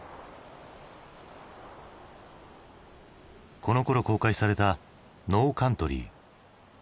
このころ公開された「ノーカントリー」。